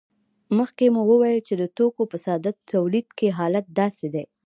مخکې مو وویل چې د توکو په ساده تولید کې حالت داسې دی